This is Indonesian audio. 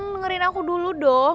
dengerin aku dulu dong